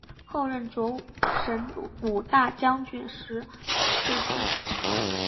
后任左神武大将军时逝世。